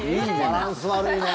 バランス悪いね。